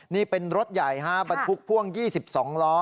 นี่เป็นรถใหญ่ฮะบรรทุกพ่วง๒๒ล้อ